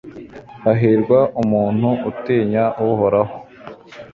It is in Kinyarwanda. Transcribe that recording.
hahirwa umuntu utinya uhoraho